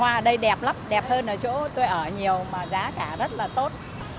hoa ở đây đẹp lắm đẹp hơn ở chỗ tôi ở nhiều mà giá cả rất là tốt